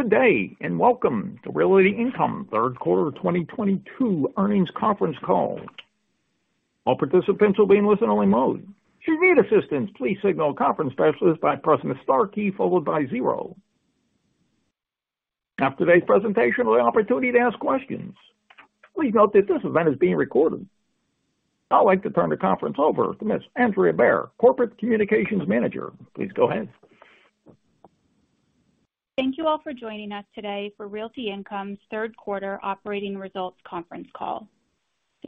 Good day, and welcome to Realty Income third quarter 2022 earnings conference call. All participants will be in listen-only mode. If you need assistance, please signal a conference specialist by pressing the star key followed by zero. After today's presentation will be an opportunity to ask questions. Please note that this event is being recorded. I'd like to turn the conference over to Ms. Andrea Behr, Corporate Communications Manager. Please go ahead. Thank you all for joining us today for Realty Income's third quarter operating results conference call.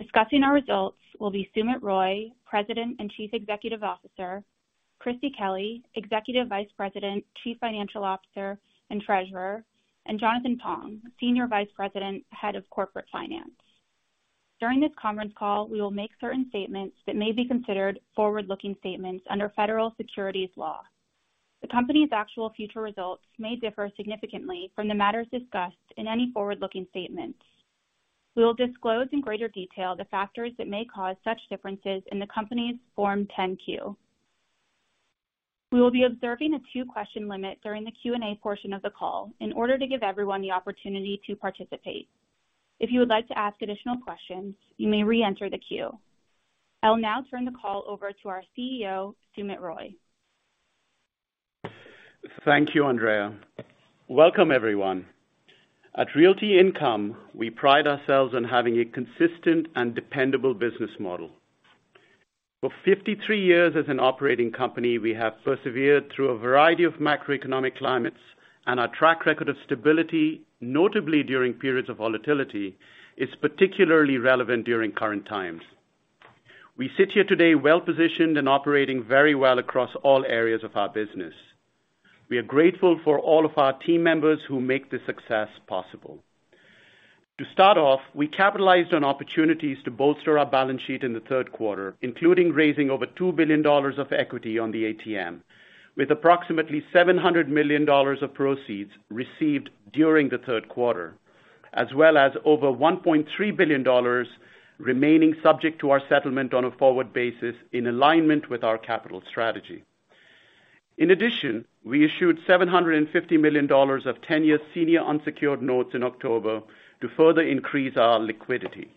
Discussing our results will be Sumit Roy, President and Chief Executive Officer, Christie Kelly, Executive Vice President, Chief Financial Officer, and Treasurer, and Jonathan Pong, Senior Vice President, Head of Corporate Finance. During this conference call, we will make certain statements that may be considered forward-looking statements under federal securities law. The company's actual future results may differ significantly from the matters discussed in any forward-looking statements. We will disclose in greater detail the factors that may cause such differences in the company's Form 10-Q. We will be observing a two-question limit during the Q&A portion of the call in order to give everyone the opportunity to participate. If you would like to ask additional questions, you may re-enter the queue. I'll now turn the call over to our Chief Executive Officer, Sumit Roy. Thank you, Andrea. Welcome, everyone. At Realty Income, we pride ourselves on having a consistent and dependable business model. For 53 years as an operating company, we have persevered through a variety of macroeconomic climates, and our track record of stability, notably during periods of volatility, is particularly relevant during current times. We sit here today well positioned and operating very well across all areas of our business. We are grateful for all of our team members who make this success possible. To start off, we capitalized on opportunities to bolster our balance sheet in the third quarter, including raising over $2 billion of equity on the ATM, with approximately $700 million of proceeds received during the third quarter, as well as over $1.3 billion remaining subject to our settlement on a forward basis in alignment with our capital strategy. In addition, we issued $750 million of ten-year senior unsecured notes in October to further increase our liquidity.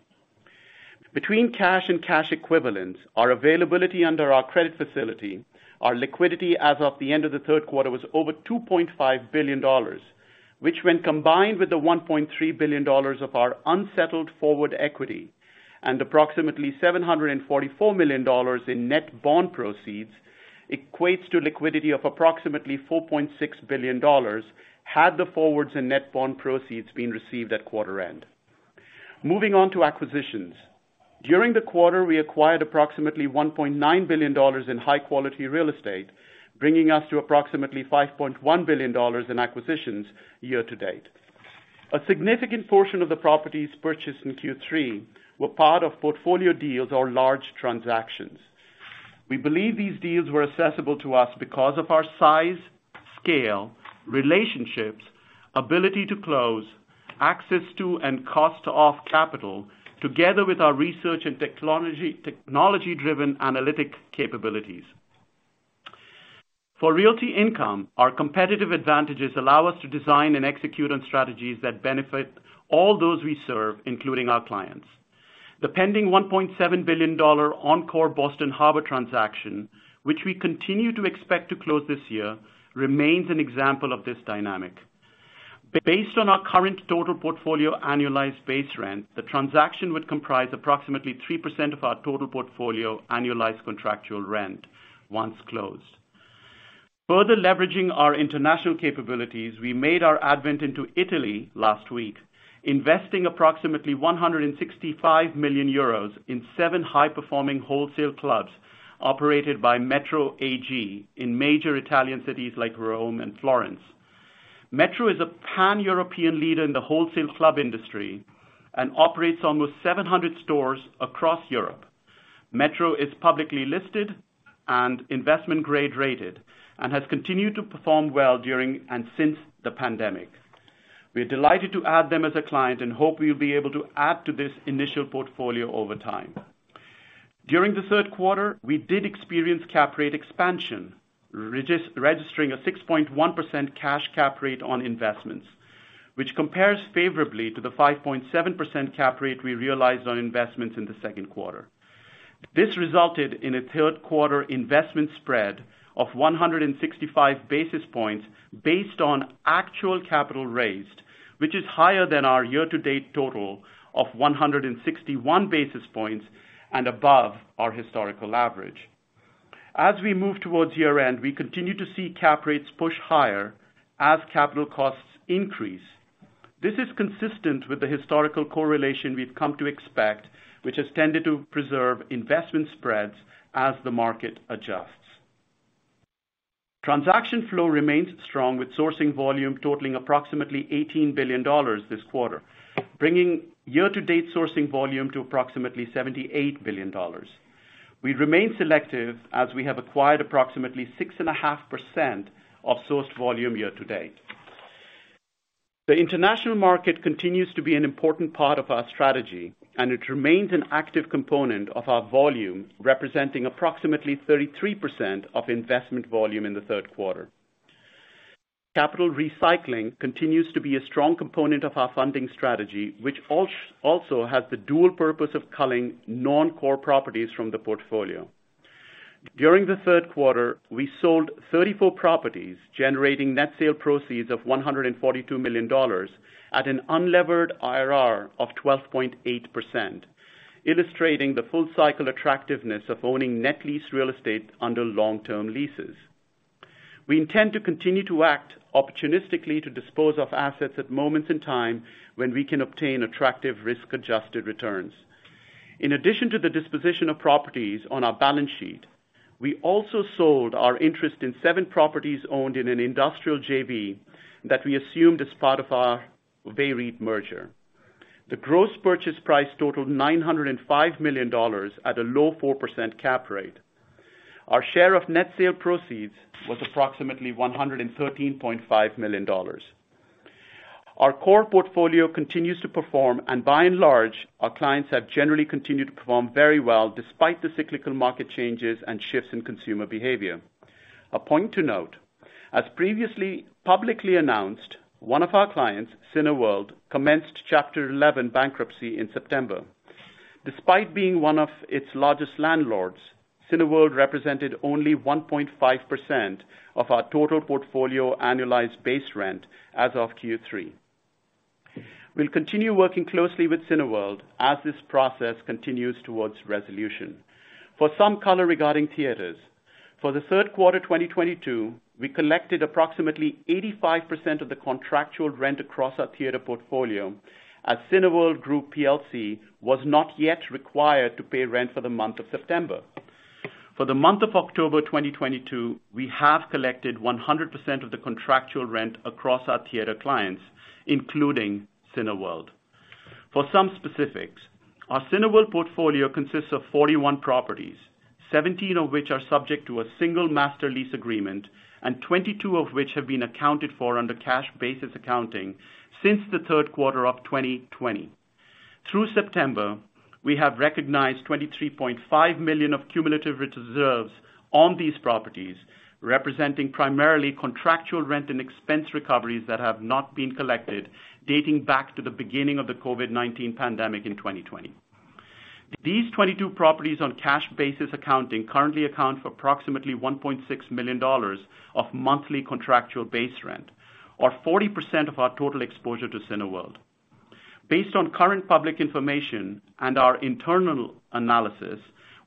Between cash and cash equivalents, our availability under our credit facility, our liquidity as of the end of the third quarter was over $2.5 billion, which when combined with the $1.3 billion of our unsettled forward equity and approximately $744 million in net bond proceeds, equates to liquidity of approximately $4.6 billion, had the forwards and net bond proceeds been received at quarter end. Moving on to acquisitions. During the quarter, we acquired approximately $1.9 billion in high-quality real estate, bringing us to approximately $5.1 billion in acquisitions year-to-date. A significant portion of the properties purchased in Q3 were part of portfolio deals or large transactions. We believe these deals were accessible to us because of our size, scale, relationships, ability to close, access to and cost of capital, together with our research and technology-driven analytic capabilities. For Realty Income, our competitive advantages allow us to design and execute on strategies that benefit all those we serve, including our clients. The pending $1.7 billion Encore Boston Harbor transaction, which we continue to expect to close this year, remains an example of this dynamic. Based on our current total portfolio annualized base rent, the transaction would comprise approximately 3% of our total portfolio annualized contractual rent once closed. Further leveraging our international capabilities, we made our entry into Italy last week, investing approximately 165 million euros in seven high-performing wholesale clubs operated by METRO AG in major Italian cities like Rome and Florence. METRO AG is a Pan-European leader in the wholesale club industry and operates almost 700 stores across Europe. METRO AG is publicly listed and investment grade rated and has continued to perform well during and since the pandemic. We are delighted to add them as a client and hope we will be able to add to this initial portfolio over time. During the third quarter, we did experience cap rate expansion, registering a 6.1% cash cap rate on investments, which compares favorably to the 5.7% cap rate we realized on investments in the second quarter. This resulted in a third quarter investment spread of 165 basis points based on actual capital raised, which is higher than our year-to-date total of 161 basis points and above our historical average. As we move towards year-end, we continue to see cap rates push higher as capital costs increase. This is consistent with the historical correlation we've come to expect, which has tended to preserve investment spreads as the market adjusts. Transaction flow remains strong with sourcing volume totaling approximately $18 billion this quarter, bringing year-to-date sourcing volume to approximately $78 billion. We remain selective as we have acquired approximately 6.5% of sourced volume year to date. The international market continues to be an important part of our strategy, and it remains an active component of our volume, representing approximately 33% of investment volume in the third quarter. Capital recycling continues to be a strong component of our funding strategy, which also has the dual purpose of culling non-core properties from the portfolio. During the third quarter, we sold 34 properties, generating net sale proceeds of $142 million at an unlevered IRR of 12.8%, illustrating the full cycle attractiveness of owning net lease real estate under long term leases. We intend to continue to act opportunistically to dispose of assets at moments in time when we can obtain attractive risk-adjusted returns. In addition to the disposition of properties on our balance sheet, we also sold our interest in seven properties owned in an industrial JV that we assumed as part of our VEREIT merger. The gross purchase price totaled $905 million at a low 4% cap rate. Our share of net sale proceeds was approximately $113.5 million. Our core portfolio continues to perform, and by and large, our clients have generally continued to perform very well despite the cyclical market changes and shifts in consumer behavior. A point to note, as previously publicly announced, one of our clients, Cineworld, commenced Chapter 11 bankruptcy in September. Despite being one of its largest landlords, Cineworld represented only 1.5% of our total portfolio annualized base rent as of Q3. We'll continue working closely with Cineworld as this process continues towards resolution. For some color regarding theaters. For the third quarter of 2022, we collected approximately 85% of the contractual rent across our theater portfolio as Cineworld Group plc was not yet required to pay rent for the month of September. For the month of October 2022, we have collected 100% of the contractual rent across our theater clients, including Cineworld. For some specifics, our Cineworld portfolio consists of 41 properties, 17 properties of which are subject to a single master lease agreement, and 22 properties of which have been accounted for under cash basis accounting since the third quarter of 2020. Through September, we have recognized $23.5 million of cumulative reserves on these properties, representing primarily contractual rent and expense recoveries that have not been collected dating back to the beginning of the COVID-19 pandemic in 2020. These 22 properties on cash basis accounting currently account for approximately $1.6 million of monthly contractual base rent or 40% of our total exposure to Cineworld. Based on current public information and our internal analysis,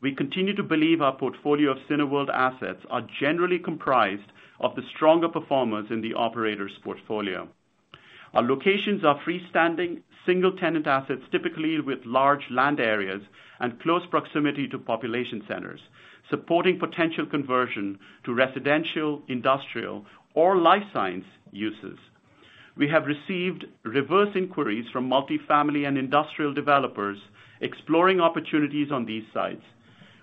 we continue to believe our portfolio of Cineworld assets are generally comprised of the stronger performers in the operator's portfolio. Our locations are freestanding single-tenant assets, typically with large land areas and close proximity to population centers, supporting potential conversion to residential, industrial, or life science uses. We have received reverse inquiries from multifamily and industrial developers exploring opportunities on these sites.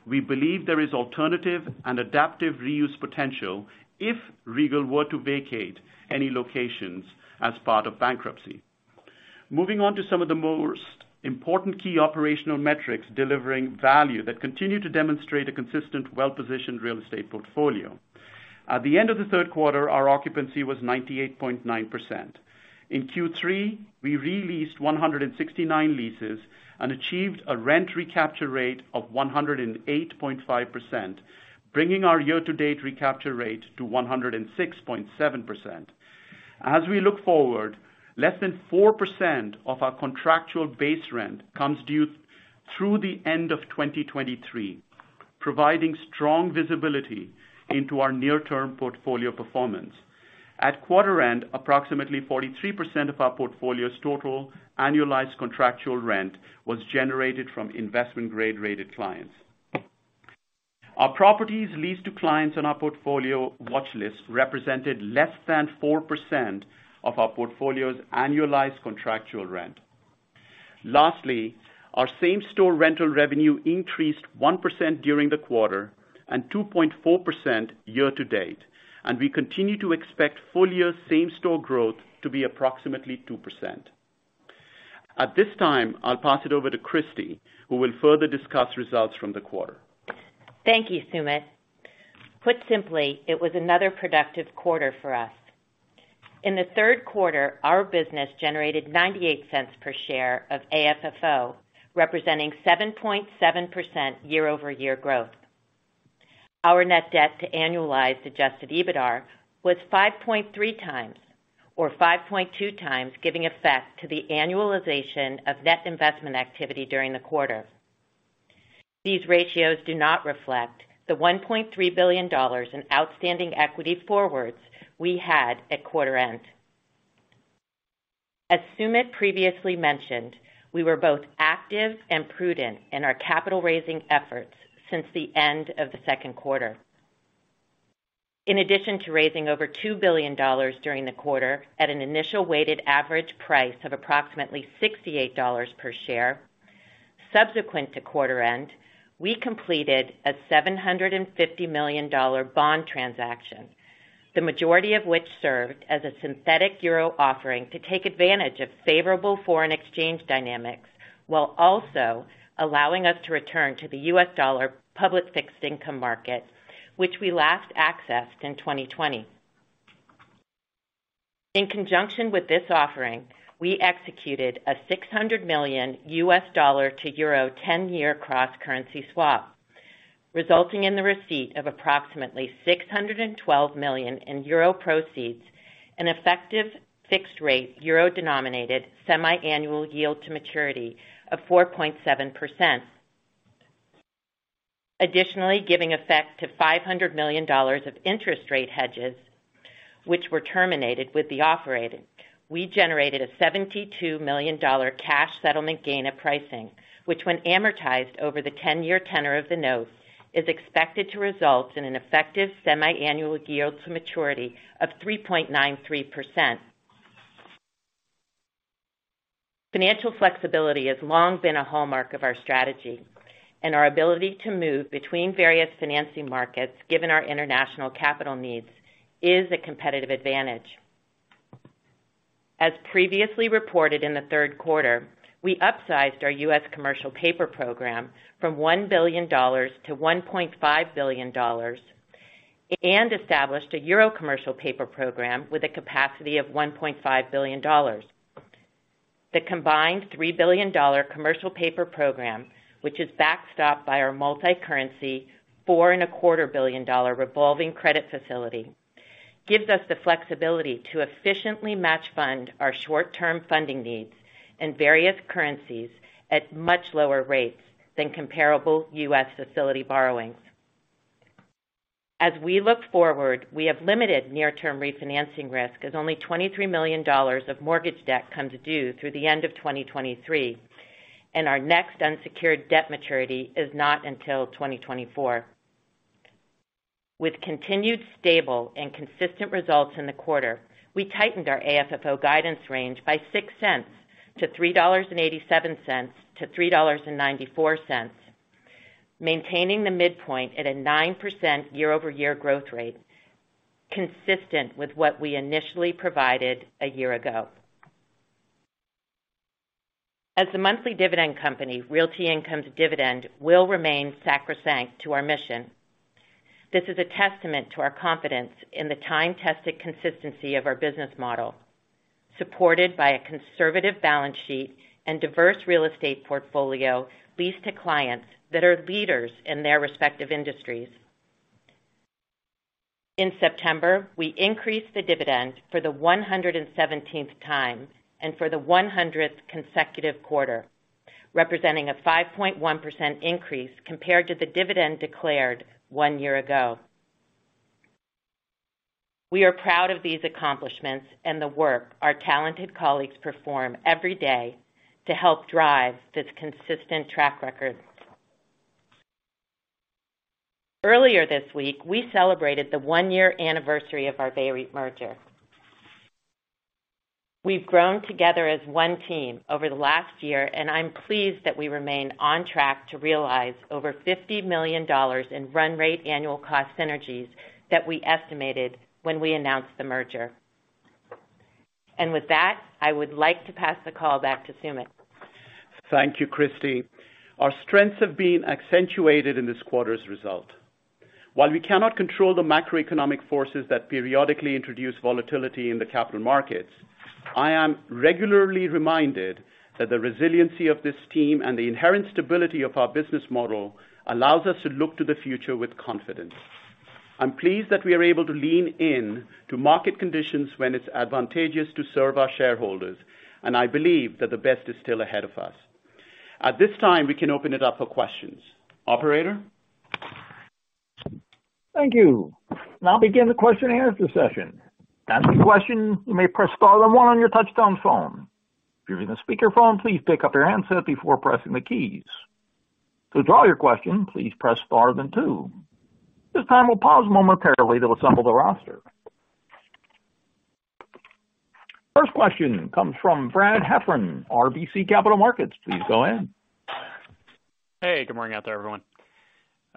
We believe there is alternative and adaptive reuse potential if Regal were to vacate any locations as part of bankruptcy. Moving on to some of the most important key operational metrics delivering value that continue to demonstrate a consistent, well-positioned real estate portfolio. At the end of the third quarter, our occupancy was 98.9%. In Q3, we re-leased 169 leases and achieved a rent recapture rate of 108.5%, bringing our year to date recapture rate to 106.7%. As we look forward, less than 4% of our contractual base rent comes due through the end of 2023, providing strong visibility into our near-term portfolio performance. At quarter end, approximately 43% of our portfolio's total annualized contractual rent was generated from investment grade rated clients. Our properties leased to clients on our portfolio watchlist represented less than 4% of our portfolio's annualized contractual rent. Lastly, our same-store rental revenue increased 1% during the quarter and 2.4% year to date, and we continue to expect full year same store growth to be approximately 2%. At this time, I'll pass it over to Christie, who will further discuss results from the quarter. Thank you, Sumit. Put simply, it was another productive quarter for us. In the third quarter, our business generated $0.98 per share of AFFO, representing 7.7% year-over-year growth. Our net debt to annualized adjusted EBITDA was 5.3x or 5.2x, giving effect to the annualization of net investment activity during the quarter. These ratios do not reflect the $1.3 billion in outstanding equity forwards we had at quarter end. As Sumit previously mentioned, we were both active and prudent in our capital raising efforts since the end of the second quarter. In addition to raising over $2 billion during the quarter at an initial weighted average price of approximately $68 per share, subsequent to quarter end, we completed a $750 million bond transaction, the majority of which served as a synthetic euro offering to take advantage of favorable foreign exchange dynamics while also allowing us to return to the US dollar public fixed income market, which we last accessed in 2020. In conjunction with this offering, we executed a $600 million US dollar to euro 10-year cross-currency swap, resulting in the receipt of approximately 612 million in euro proceeds, an effective fixed rate euro-denominated semi-annual yield to maturity of 4.7%. Additionally, giving effect to $500 million of interest rate hedges, which were terminated with the offering, we generated a $72 million dollar cash settlement gain of pricing, which when amortized over the ten-year tenor of the notes, is expected to result in an effective semi-annual yield to maturity of 3.93%. Financial flexibility has long been a hallmark of our strategy, and our ability to move between various financing markets, given our international capital needs, is a competitive advantage. As previously reported in the third quarter, we upsized our U.S. commercial paper program from $1 billion-$1.5 billion and established a Euro commercial paper program with a capacity of $1.5 billion. The combined $3 billion commercial paper program, which is backstopped by our multi-currency $4.25 billion revolving credit facility, gives us the flexibility to efficiently match fund our short-term funding needs in various currencies at much lower rates than comparable U.S. facility borrowings. We look forward, we have limited near-term refinancing risk as only $23 million of mortgage debt comes due through the end of 2023, and our next unsecured debt maturity is not until 2024. With continued stable and consistent results in the quarter, we tightened our AFFO guidance range by $0.06 to $3.87-$3.94, maintaining the midpoint at a 9% year-over-year growth rate, consistent with what we initially provided a year ago. As a monthly dividend company, Realty Income's dividend will remain sacrosanct to our mission. This is a testament to our confidence in the time-tested consistency of our business model, supported by a conservative balance sheet and diverse real estate portfolio, leased to clients that are leaders in their respective industries. In September, we increased the dividend for the 117th time and for the 100th consecutive quarter, representing a 5.1% increase compared to the dividend declared one year ago. We are proud of these accomplishments and the work our talented colleagues perform every day to help drive this consistent track record. Earlier this week, we celebrated the 1-year anniversary of our VEREIT merger. We've grown together as one team over the last year, and I'm pleased that we remain on track to realize over $50 million in run rate annual cost synergies that we estimated when we announced the merger. With that, I would like to pass the call back to Sumit. Thank you, Christie. Our strengths have been accentuated in this quarter's result. While we cannot control the macroeconomic forces that periodically introduce volatility in the capital markets, I am regularly reminded that the resiliency of this team and the inherent stability of our business model allows us to look to the future with confidence. I'm pleased that we are able to lean in to market conditions when it's advantageous to serve our shareholders, and I believe that the best is still ahead of us. At this time, we can open it up for questions. Operator? Thank you. Now begin the question and answer session. To ask a question, you may press star then one on your touchtone phone. If you're in a speaker phone, please pick up your handset before pressing the keys. To withdraw your question, please press star then two. This time we'll pause momentarily to assemble the roster. First question comes from Brad Heffern, RBC Capital Markets. Please go ahead. Hey, good morning out there, everyone.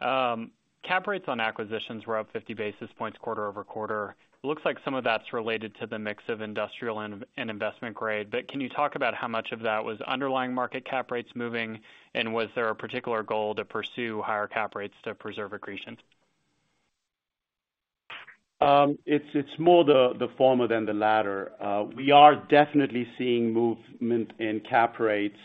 Cap rates on acquisitions were up 50 basis points quarter-over-quarter. Looks like some of that's related to the mix of industrial and investment grade. Can you talk about how much of that was underlying market cap rates moving? Was there a particular goal to pursue higher cap rates to preserve accretion? It's more the former than the latter. We are definitely seeing movement in cap rates.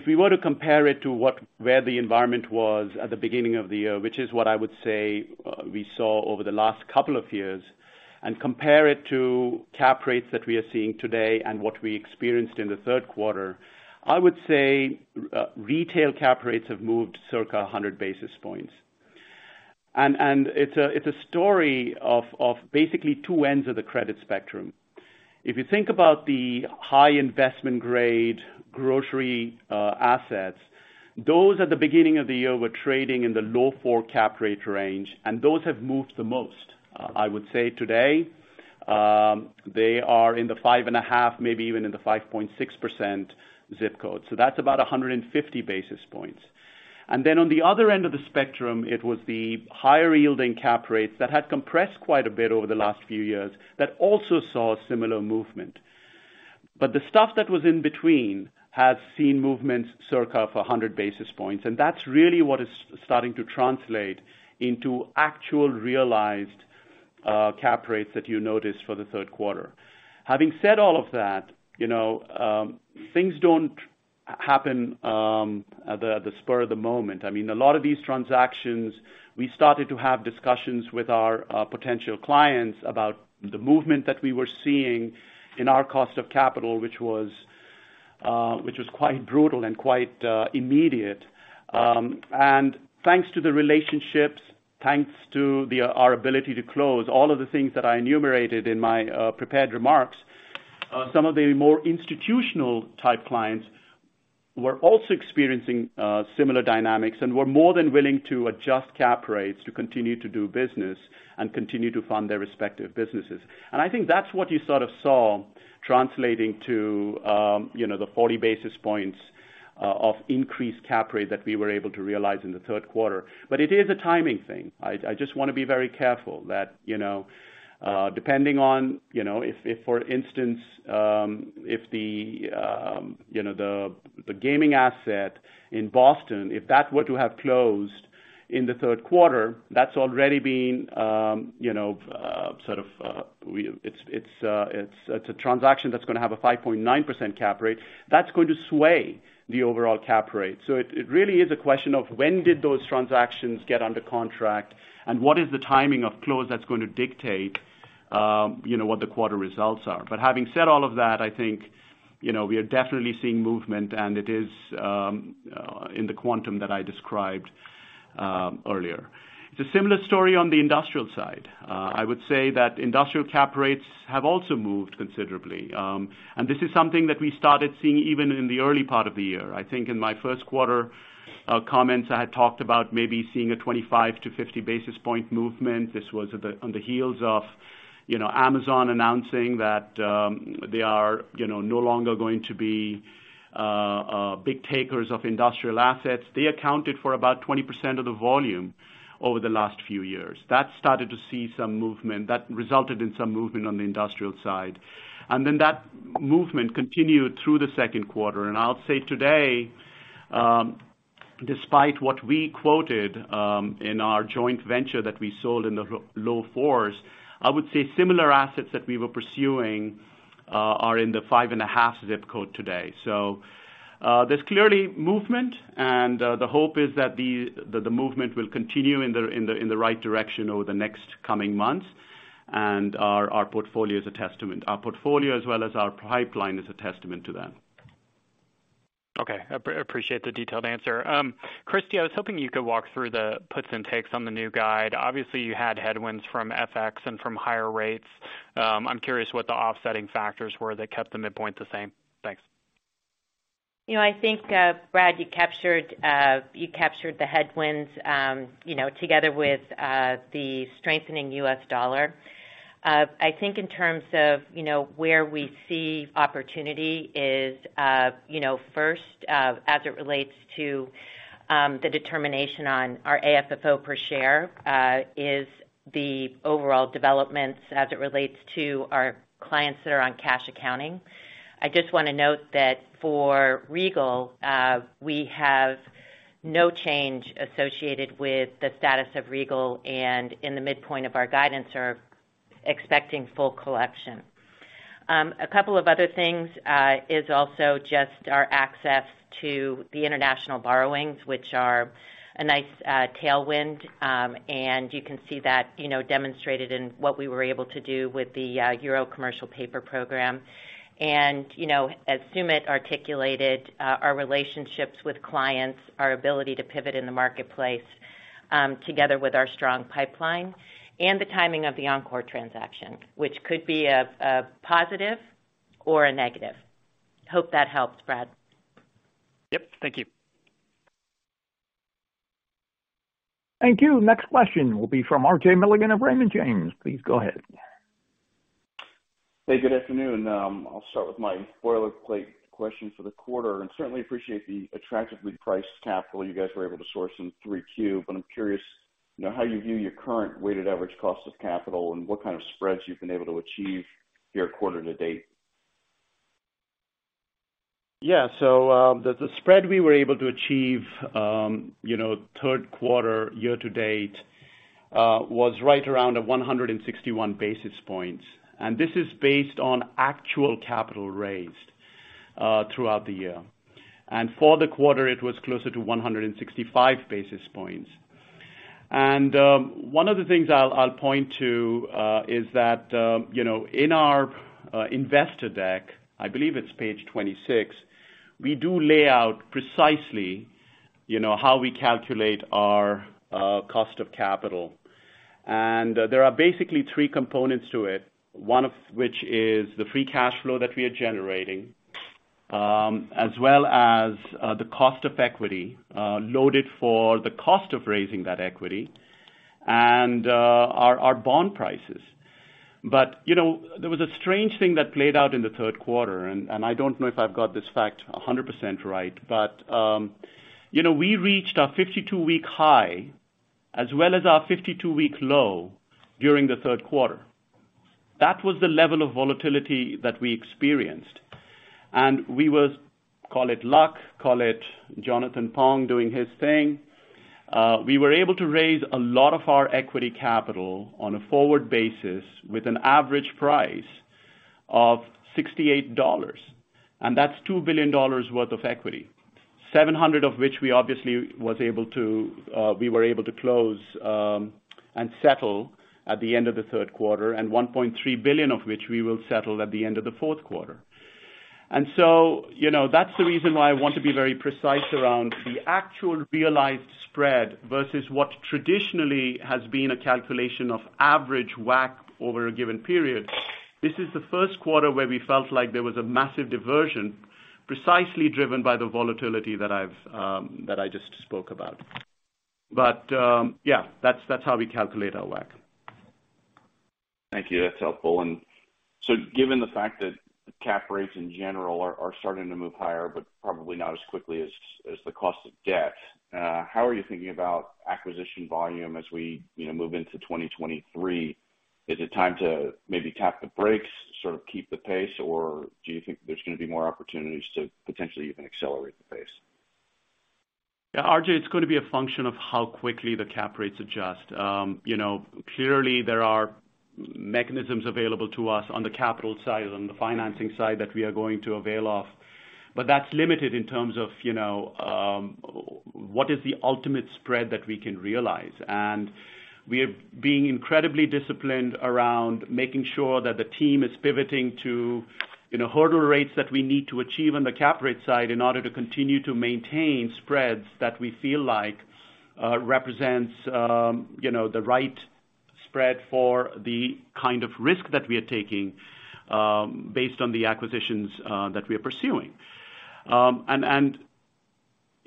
If we were to compare it to where the environment was at the beginning of the year, which is what I would say we saw over the last couple of years, and compare it to cap rates that we are seeing today and what we experienced in the third quarter, I would say retail cap rates have moved circa 100 basis points. It's a story of basically two ends of the credit spectrum. If you think about the high investment grade grocery assets, those at the beginning of the year were trading in the low 4% cap rate range, and those have moved the most. I would say today, they are in the 5.5%, maybe even in the 5.6% ZIP code. So that's about 150 basis points. Then on the other end of the spectrum, it was the higher yielding cap rates that had compressed quite a bit over the last few years that also saw similar movement. The stuff that was in between has seen movements circa 400 basis points, and that's really what is starting to translate into actual realized cap rates that you noticed for the third quarter. Having said all of that, you know, things don't happen at the spur of the moment. I mean, a lot of these transactions, we started to have discussions with our potential clients about the movement that we were seeing in our cost of capital, which was quite brutal and quite immediate. Thanks to the relationships, our ability to close all of the things that I enumerated in my prepared remarks, some of the more institutional type clients were also experiencing similar dynamics and were more than willing to adjust cap rates to continue to do business and continue to fund their respective businesses. I think that's what you sort of saw translating to, you know, the 40 basis points of increased cap rate that we were able to realize in the third quarter. It is a timing thing. I just want to be very careful that, you know, depending on, you know, if for instance, if the gaming asset in Boston were to have closed in the third quarter, that's already been a transaction that's going to have a 5.9% cap rate. That's going to sway the overall cap rate. It really is a question of when those transactions got under contract, and what the timing of close is that's going to dictate what the quarter results are. Having said all of that, I think we are definitely seeing movement, and it is in the quantum that I described earlier. It's a similar story on the industrial side. I would say that industrial cap rates have also moved considerably. This is something that we started seeing even in the early part of the year. I think in my first quarter comments, I had talked about maybe seeing a 25-50 basis point movement. This was on the heels of, you know, Amazon announcing that they are, you know, no longer going to be big takers of industrial assets. They accounted for about 20% of the volume over the last few years. That started to see some movement. That resulted in some movement on the industrial side. That movement continued through the second quarter. I'll say today, despite what we quoted in our joint venture that we sold in the low fours, I would say similar assets that we were pursuing are in the 5.5 ZIP code today. There's clearly movement and the hope is that the movement will continue in the right direction over the next coming months. Our portfolio is a testament. Our portfolio as well as our pipeline is a testament to that. Okay. Appreciate the detailed answer. Christie, I was hoping you could walk through the puts and takes on the new guide. Obviously, you had headwinds from FX and from higher rates. I'm curious what the offsetting factors were that kept the midpoint the same. Thanks. You know, I think, Brad, you captured the headwinds, you know, together with the strengthening U.S. dollar. I think in terms of, you know, where we see opportunity is, you know, first, as it relates to the determination on our AFFO per share, is the overall developments as it relates to our clients that are on cash accounting. I just wanna note that for Regal, we have no change associated with the status of Regal, and in the midpoint of our guidance are expecting full collection. A couple of other things is also just our access to the international borrowings, which are a nice tailwind. You can see that, you know, demonstrated in what we were able to do with the Euro Commercial Paper program. You know, as Sumit articulated, our relationships with clients, our ability to pivot in the marketplace, together with our strong pipeline and the timing of the Encore transaction, which could be a positive or a negative. Hope that helps, Brad. Yep. Thank you. Thank you. Next question will be from RJ Milligan of Raymond James. Please go ahead. Hey, good afternoon. I'll start with my boilerplate question for the quarter, and certainly appreciate the attractively priced capital you guys were able to source in 3Q. I'm curious, you know, how you view your current weighted average cost of capital and what kind of spreads you've been able to achieve year quarter to date? The spread we were able to achieve, you know, third quarter year to date, was right around 161 basis points. This is based on actual capital raised throughout the year. For the quarter, it was closer to 165 basis points. One of the things I'll point to is that, you know, in our investor deck, I believe it's Page 26, we do lay out precisely how we calculate our cost of capital. There are basically three components to it. One of which is the free cash flow that we are generating, as well as the cost of equity loaded for the cost of raising that equity and our bond prices. You know, there was a strange thing that played out in the third quarter, and I don't know if I've got this fact 100% right, but you know, we reached our 52-week high as well as our 52-week low during the third quarter. That was the level of volatility that we experienced. Call it luck, call it Jonathan Pong doing his thing, we were able to raise a lot of our equity capital on a forward basis with an average price of $68, and that's $2 billion worth of equity. $700 million of which we obviously were able to close and settle at the end of the third quarter, and $1.3 billion of which we will settle at the end of the fourth quarter. You know, that's the reason why I want to be very precise around the actual realized spread versus what traditionally has been a calculation of average WACC over a given period. This is the first quarter where we felt like there was a massive diversion, precisely driven by the volatility that I just spoke about. Yeah, that's how we calculate our WACC. Thank you. That's helpful. Given the fact that cap rates in general are starting to move higher, but probably not as quickly as the cost of debt, how are you thinking about acquisition volume as we, you know, move into 2023? Is it time to maybe tap the brakes, sort of keep the pace? Or do you think there's gonna be more opportunities to potentially even accelerate the pace? Yeah, RJ, it's gonna be a function of how quickly the cap rates adjust. You know, clearly there are mechanisms available to us on the capital side, on the financing side that we are going to avail of, but that's limited in terms of, you know, what is the ultimate spread that we can realize. We are being incredibly disciplined around making sure that the team is pivoting to, you know, hurdle rates that we need to achieve on the cap rate side in order to continue to maintain spreads that we feel like represents, you know, the right spread for the kind of risk that we are taking, based on the acquisitions that we are pursuing.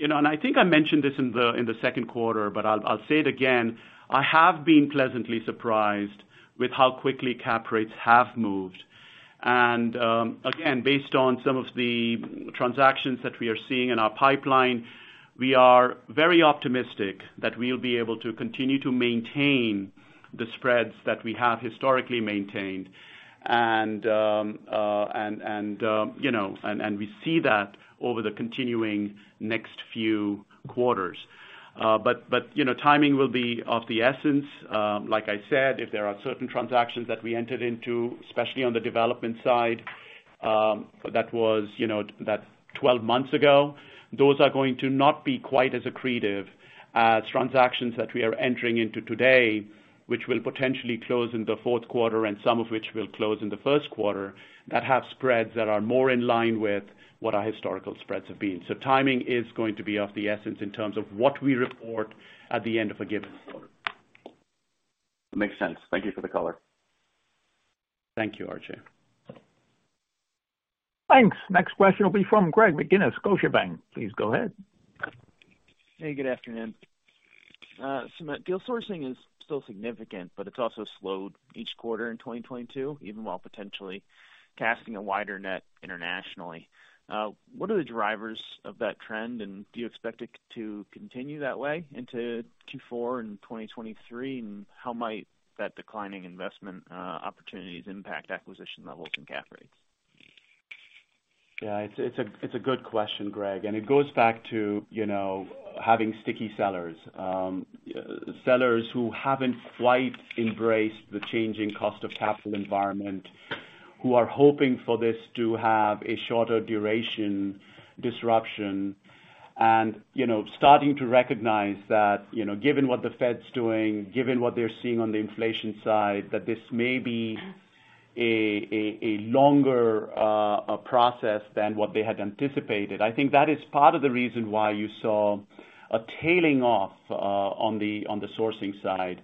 you know, I think I mentioned this in the second quarter, but I'll say it again, I have been pleasantly surprised with how quickly cap rates have moved. Again, based on some of the transactions that we are seeing in our pipeline, we are very optimistic that we'll be able to continue to maintain the spreads that we have historically maintained, and we see that over the continuing next few quarters. you know, timing will be of the essence. Like I said, if there are certain transactions that we entered into, especially on the development side, that was, you know, that 12 months ago, those are going to not be quite as accretive as transactions that we are entering into today, which will potentially close in the fourth quarter and some of which will close in the first quarter, that have spreads that are more in line with what our historical spreads have been. Timing is going to be of the essence in terms of what we report at the end of a given quarter. Makes sense. Thank you for the color. Thank you, RJ Thanks. Next question will be from Greg McGinniss, Scotiabank. Please go ahead. Hey, good afternoon. Sumit, deal sourcing is still significant, but it's also slowed each quarter in 2022, even while potentially casting a wider net internationally. What are the drivers of that trend? Do you expect it to continue that way into Q4 in 2023? How might that declining investment opportunities impact acquisition levels and cap rates? Yeah, it's a good question, Greg, and it goes back to, you know, having sticky sellers. Sellers who haven't quite embraced the changing cost of capital environment, who are hoping for this to have a shorter duration disruption. You know, starting to recognize that, you know, given what the Fed's doing, given what they're seeing on the inflation side, that this may be a longer process than what they had anticipated. I think that is part of the reason why you saw a tailing off on the sourcing side.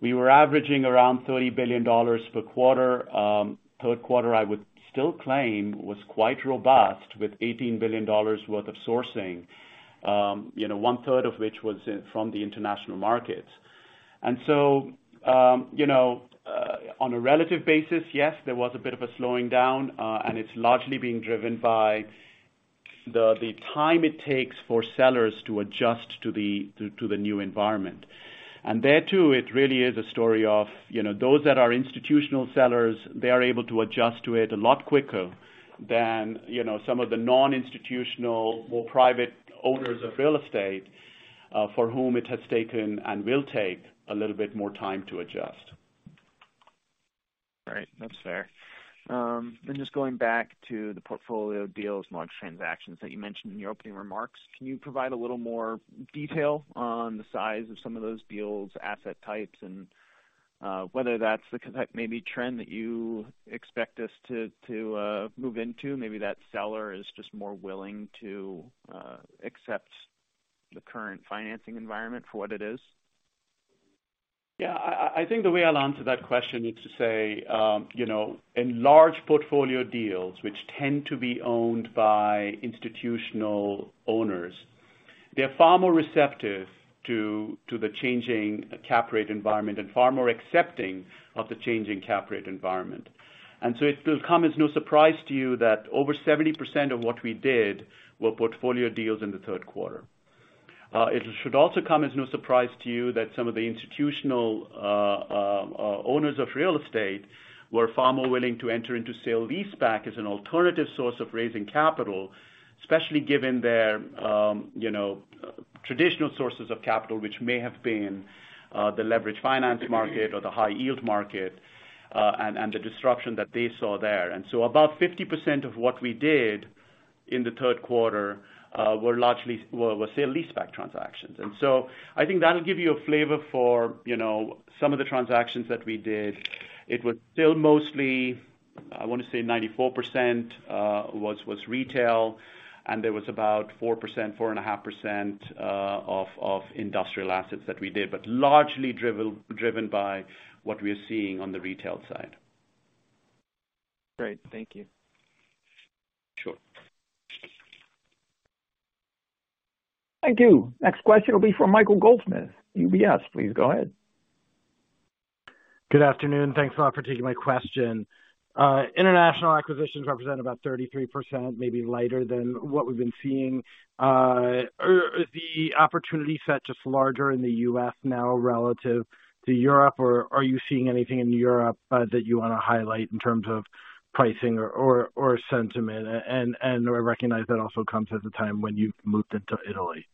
We were averaging around $30 billion per quarter. Third quarter, I would still claim was quite robust with $18 billion worth of sourcing, you know, one-third of which was from the international markets. On a relative basis, yes, there was a bit of a slowing down, and it's largely being driven by the time it takes for sellers to adjust to the new environment. There too, it really is a story of, you know, those that are institutional sellers, they are able to adjust to it a lot quicker than, you know, some of the non-institutional, more private owners of real estate, for whom it has taken and will take a little bit more time to adjust. Right. That's fair. Just going back to the portfolio deals, large transactions that you mentioned in your opening remarks, can you provide a little more detail on the size of some of those deals, asset types, and whether that's the kind of maybe trend that you expect us to move into? Maybe that seller is just more willing to accept the current financing environment for what it is. Yeah. I think the way I'll answer that question is to say, you know, in large portfolio deals, which tend to be owned by institutional owners, they're far more receptive to the changing cap rate environment and far more accepting of the changing cap rate environment. It will come as no surprise to you that over 70% of what we did were portfolio deals in the third quarter. It should also come as no surprise to you that some of the institutional owners of real estate were far more willing to enter into sale-leaseback as an alternative source of raising capital, especially given their, you know, traditional sources of capital, which may have been the leverage finance market or the high yield market, and the disruption that they saw there. About 50% of what we did in the third quarter were largely sale-leaseback transactions. I think that'll give you a flavor for, you know, some of the transactions that we did. It was still mostly, I wanna say 94%, was retail, and there was about 4%, 4.5%, of industrial assets that we did, but largely driven by what we're seeing on the retail side. Great. Thank you. Sure. Thank you. Next question will be from Michael Goldsmith, UBS. Please go ahead. Good afternoon. Thanks a lot for taking my question. International acquisitions represent about 33%, maybe lighter than what we've been seeing. Are the opportunity set just larger in the U.S. now relative to Europe? Or are you seeing anything in Europe that you wanna highlight in terms of pricing or sentiment? I recognize that also comes at a time when you've moved into Italy.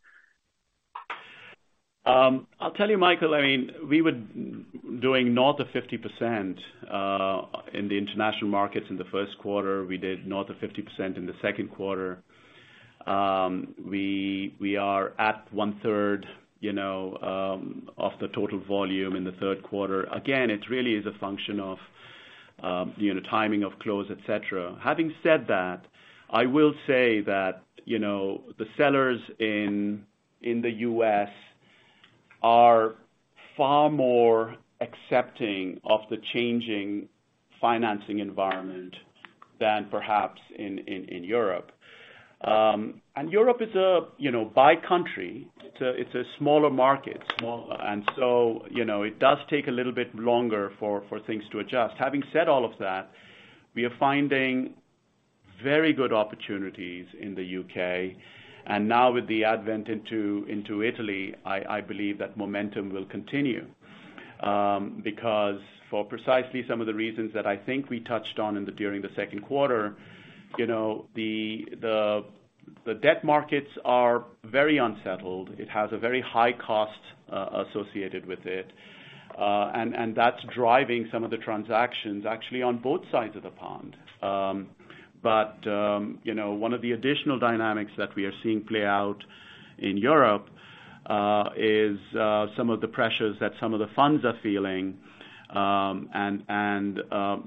I'll tell you, Michael, I mean, we were doing north of 50% in the international markets in the first quarter. We did north of 50% in the second quarter. We are at 1/3, you know, of the total volume in the third quarter. Again, it really is a function of, you know, timing of close, et cetera. Having said that, I will say that, you know, the sellers in the U.S. are far more accepting of the changing financing environment than perhaps in Europe. Europe is, you know, by country, a smaller market. You know, it does take a little bit longer for things to adjust. Having said all of that, we are finding very good opportunities in the U.K. Now with the advent into Italy, I believe that momentum will continue, because for precisely some of the reasons that I think we touched on during the second quarter, you know, the debt markets are very unsettled. It has a very high cost associated with it.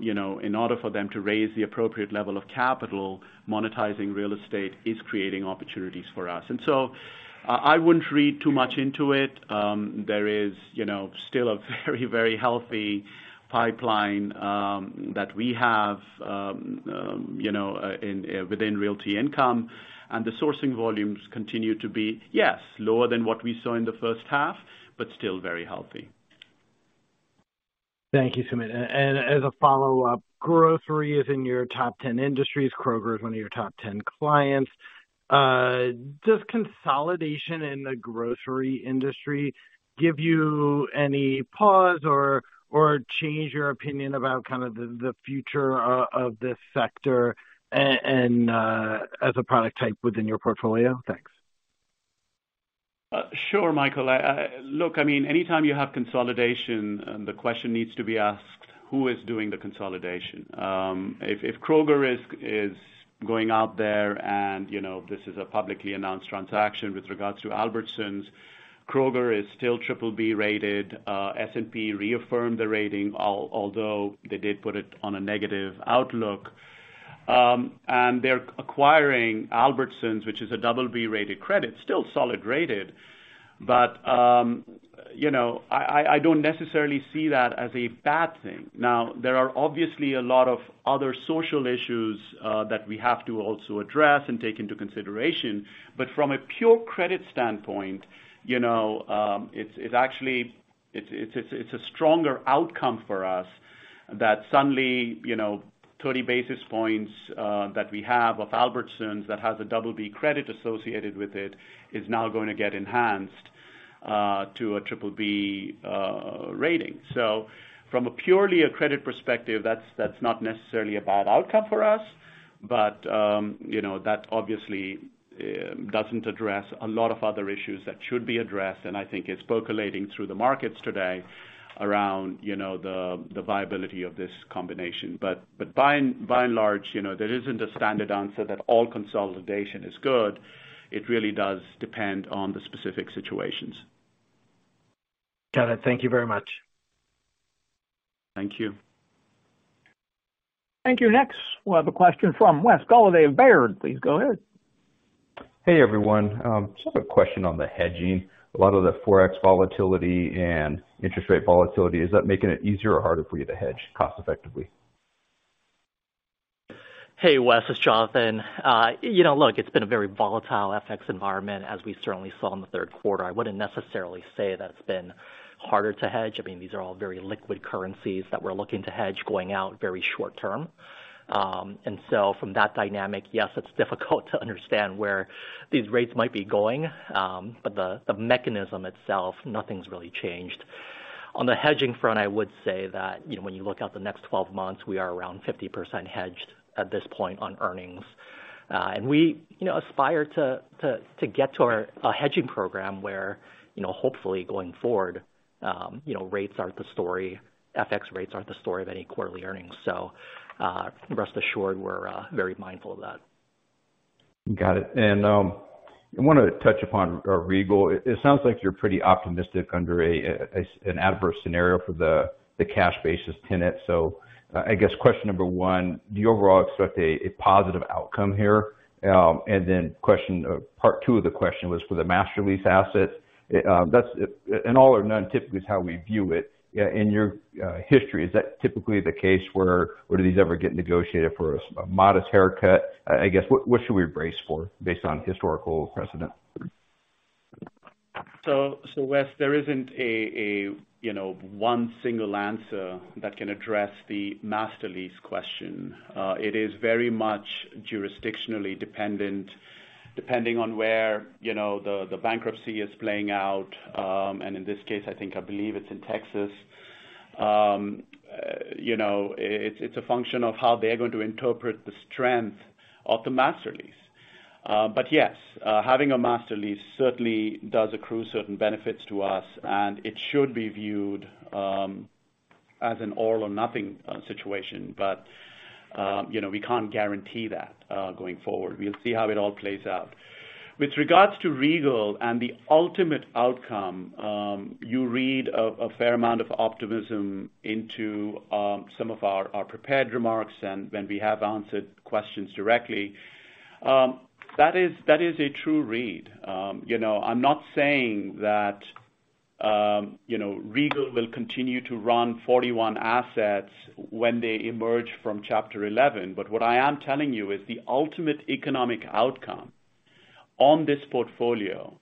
You know, in order for them to raise the appropriate level of capital, monetizing real estate is creating opportunities for us. I wouldn't read too much into it. There is, you know, still a very, very healthy pipeline that we have, you know, within Realty Income. The sourcing volumes continue to be, yes, lower than what we saw in the first half, but still very healthy. Thank you, Sumit. As a follow-up, grocery is in your top 10 industries. Kroger is one of your top 10 clients. Does consolidation in the grocery industry give you any pause or change your opinion about kind of the future of this sector and as a product type within your portfolio? Thanks. Sure, Michael. Look, I mean, anytime you have consolidation, the question needs to be asked, who is doing the consolidation? If Kroger is going out there and, you know, this is a publicly announced transaction with regards to Albertsons, Kroger is still triple B rated. S&P reaffirmed the rating, although they did put it on a negative outlook. They're acquiring Albertsons, which is a double B rated credit, still solid rated. You know, I don't necessarily see that as a bad thing. Now, there are obviously a lot of other social issues that we have to also address and take into consideration. From a pure credit standpoint, you know, it's actually a stronger outcome for us that suddenly, you know, 30 basis points that we have of Albertsons that has a double B credit associated with it is now gonna get enhanced to a triple B rating. From a purely credit perspective, that's not necessarily a bad outcome for us. You know, that obviously doesn't address a lot of other issues that should be addressed, and I think it's percolating through the markets today around, you know, the viability of this combination. By and large, you know, there isn't a standard answer that all consolidation is good. It really does depend on the specific situations. Got it. Thank you very much. Thank you. Thank you. Next, we'll have a question from Wes Golladay of Baird. Please go ahead. Hey, everyone. Just have a question on the hedging. A lot of the FX volatility and interest rate volatility. Is that making it easier or harder for you to hedge cost effectively? Hey, Wes, it's Jonathan. You know, look, it's been a very volatile FX environment, as we certainly saw in the third quarter. I wouldn't necessarily say that it's been harder to hedge. I mean, these are all very liquid currencies that we're looking to hedge going out very short term. From that dynamic, yes, it's difficult to understand where these rates might be going. The mechanism itself, nothing's really changed. On the hedging front, I would say that, you know, when you look out the next 12 months, we are around 50% hedged at this point on earnings. We, you know, aspire to get to a hedging program where, you know, hopefully going forward, you know, rates aren't the story, FX rates aren't the sTory of any quarterly earnings. Rest assured we're very mindful of that. Got it. I wanna touch upon Regal. It sounds like you're pretty optimistic under an adverse scenario for the cash basis tenant. I guess question number one: do you overall expect a positive outcome here? Then question part two of the question was for the master lease asset. That's an all or none typically is how we view it. In your history, is that typically the case, or do these ever get negotiated for a modest haircut? I guess, what should we brace for based on historical precedent? Wes, there isn't a you know one single answer that can address the master lease question. It is very much jurisdictionally dependent, depending on where you know the bankruptcy is playing out. In this case, I think I believe it's in Texas. You know it's a function of how they're going to interpret the strength of the master lease. Yes, having a master lease certainly does accrue certain benefits to us, and it should be viewed as an all or nothing situation. You know we can't guarantee that going forward. We'll see how it all plays out. With regards to Regal and the ultimate outcome, you read a fair amount of optimism into some of our prepared remarks and when we have answered questions directly. That is a true read. You know, I'm not saying that, you know, Regal will continue to run 41 assets when they emerge from Chapter 11. What I am telling you is the ultimate economic outcome on this portfolio,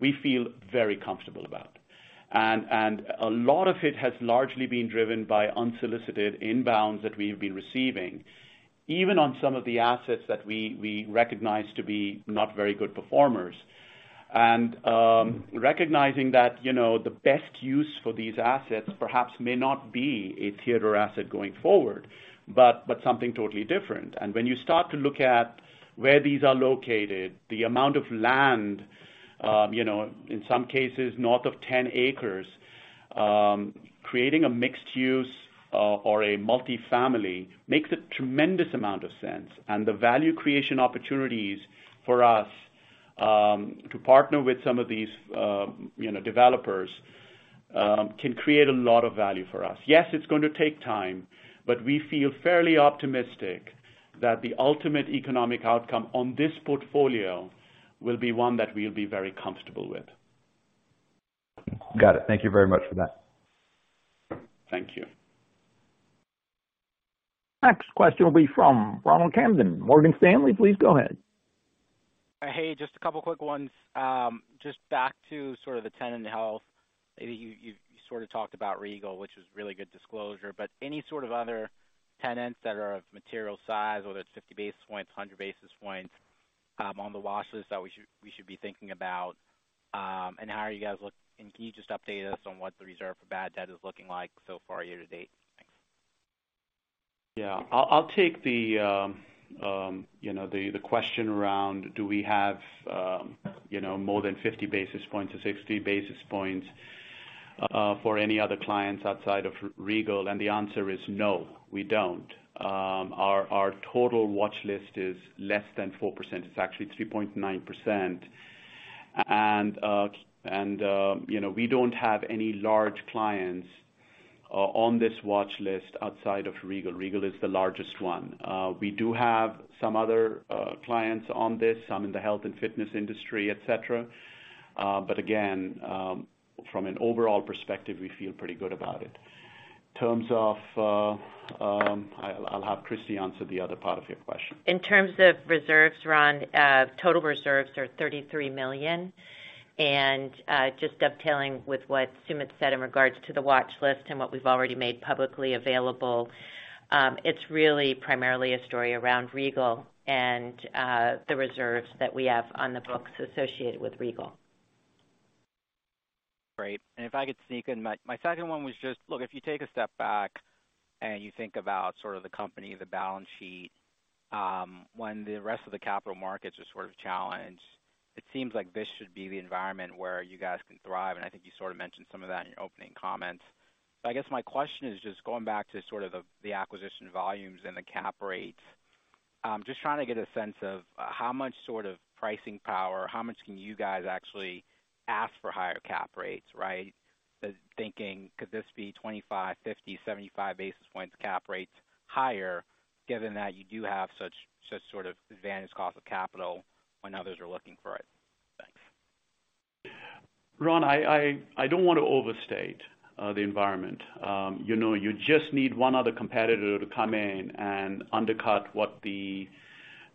we feel very comfortable about. A lot of it has largely been driven by unsolicited inbounds that we've been receiving, even on some of the assets that we recognize to be not very good performers. Recognizing that, you know, the best use for these assets perhaps may not be a theater asset going forward, but something totally different. When you start to look at where these are located, the amount of land, you know, in some cases north of 10 acres, creating a mixed use or a multifamily makes a tremendous amount of sense. The value creation opportunities for us to partner with some of these, you know, developers can create a lot of value for us. Yes, it's going to take time, but we feel fairly optimistic that the ultimate economic outcome on this portfolio will be one that we'll be very comfortable with. Got it. Thank you very much for that. Thank you. Next question will be from Ronald Kamdem, Morgan Stanley. Please go ahead. Hey, just a couple quick ones. Just back to sort of the tenant health. Maybe you sort of talked about Regal, which was really good disclosure. Any sort of other tenants that are of material size, whether it's 50 basis points, 100 basis points, on the watch list that we should be thinking about. Can you just update us on what the reserve for bad debt is looking like so far year to date? Thanks. Yeah. I'll take, you know, the question around do we have more than 50 basis points or 60 basis points for any other clients outside of Regal? The answer is no, we don't. Our total watch list is less than 4%. It's actually 3.9%. You know, we don't have any large clients on this watch list outside of Regal. Regal is the largest one. We do have some other clients on this, some in the health and fitness industry, et cetera. But again, from an overall perspective, we feel pretty good about it. In terms of, I'll have Christie answer the other part of your question. In terms of reserves, Ron, total reserves are $33 million. Just dovetailing with what Sumit said in regards to the watch list and what we've already made publicly available, it's really primarily a story around Regal and the reserves that we have on the books associated with Regal. Great. If I could sneak in my second one was just. Look, if you take a step back and you think about sort of the company, the balance sheet, when the rest of the capital markets are sort of challenged, it seems like this should be the environment where you guys can thrive. I think you sort of mentioned some of that in your opening comments. I guess my question is just going back to sort of the acquisition volumes and the cap rates. Just trying to get a sense of how much sort of pricing power, how much can you guys actually ask for higher cap rates, right? The thinking, could this be 25 basis points, 50 basis points, 75 basis points cap rates higher given that you do have such sort of advantage cost of capital when others are looking for it? Thanks. Ronald, I don't want to overstate the environment. You know, you just need one other competitor to come in and undercut what the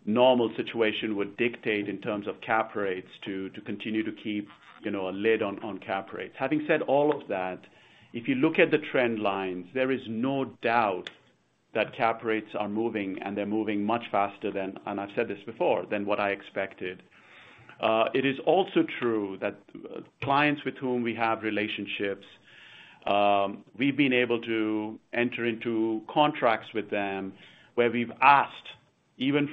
normal situation would dictate in terms of cap rates to continue to keep you know, a lid on cap rates. Having said all of that, if you look at the trend lines, there is no doubt that cap rates are moving, and they're moving much faster than, and I've said this before, than what I expected. It is also true that clients with whom we have relationships, we've been able to enter into contracts with them where we've asked even